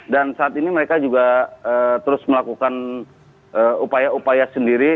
dan saat ini mereka juga terus melakukan upaya upaya sendiri